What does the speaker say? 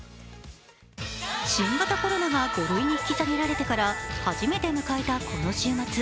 新型コロナが５類に引き下げられてから初めて迎えたこの週末。